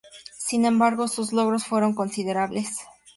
Sin embargo, sus logros fueron considerables.